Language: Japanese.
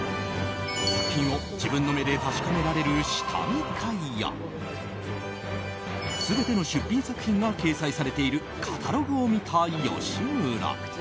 作品を自分の目で確かめられる下見会や全ての出品作品が掲載されているカタログを見た吉村。